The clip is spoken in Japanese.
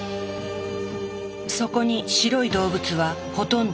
そこに白い動物はほとんどいない。